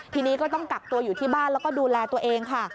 ทีนี้ก็ต้องกักตัวอยู่ที่บ้านแล้วก็ดูแลตัวเองค่ะ